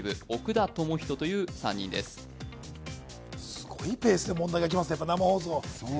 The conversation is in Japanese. すごいペースで問題がいきますね生放送。